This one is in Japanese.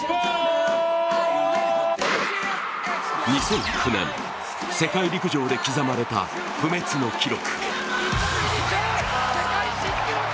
２００９年世界陸上で刻まれた不滅の記録。